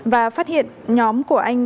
và phát hiện nhóm của anh